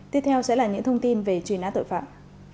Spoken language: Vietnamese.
tiếp theo sẽ là những thông tin về truy nã tội phạm